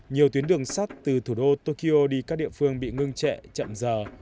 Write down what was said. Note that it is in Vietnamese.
nhiều tuyến đường sắt từ thủ đô tokyo đi các địa phương bị ngưng trệ chậm giờ